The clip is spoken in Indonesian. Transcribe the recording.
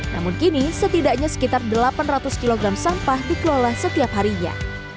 namun kini setidaknya sekitar delapan ratus kg sampah dikelola setiap harinya